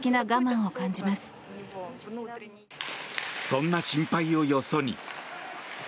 そんな心配をよそに。